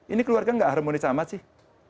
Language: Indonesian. ini keluarga nggak harmonis amat sih